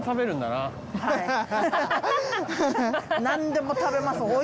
何でも食べます。